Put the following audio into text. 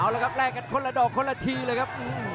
แล้วกันคนละดอกคนละทีเลยครับ